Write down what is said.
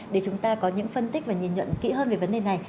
để chúng ta có những phân tích và nhìn nhận kỹ hơn về vấn đề này